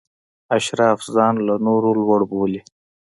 اشراف ځان له نورو لوړ باله.